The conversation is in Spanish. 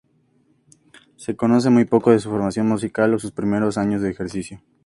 Se conoce muy poco de su formación musical o sus primeros años de ejercicio.